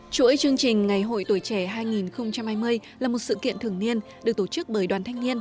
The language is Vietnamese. chuỗi chương trình ngày hội tuổi trẻ hai nghìn hai mươi là một sự kiện thường niên được tổ chức bởi đoàn thanh niên